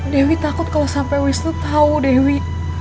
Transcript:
dewi takut kalau sampai wisnu tahu dewi